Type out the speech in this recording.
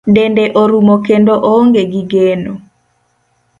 Dende orumo, kendo oonge gi geno.